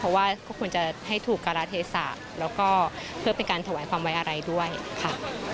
เพราะว่าก็ควรจะให้ถูกการาเทศาสตร์แล้วก็เพื่อเป็นการถวายความไว้อะไรด้วยค่ะ